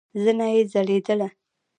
زنه يې ځليدله.